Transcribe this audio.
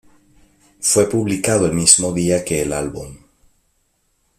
Fue publicado el mismo día que el álbum.